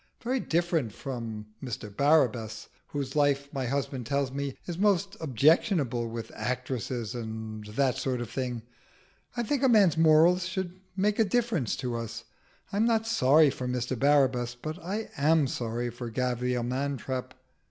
Very different from Mr Barabbas, whose life, my husband tells me, is most objectionable, with actresses and that sort of thing. I think a man's morals should make a difference to us. I'm not sorry for Mr Barabbas, but I am sorry for Sir Gavial Mantrap."